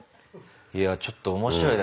いやちょっと面白いな。